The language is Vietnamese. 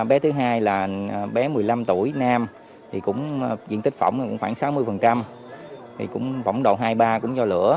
bé thứ hai là bé một mươi năm tuổi nam diện tích phỏng là khoảng sáu mươi